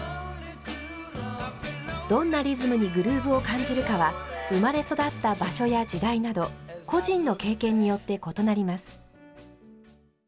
どんなリズムにグルーブを感じるかは生まれ育った場所や時代など個人の経験によって異なります。